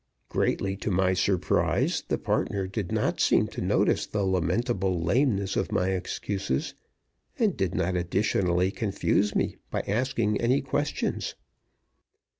Greatly to my surprise, the partner did not seem to notice the lamentable lameness of my excuses, and did not additionally confuse me by asking any questions.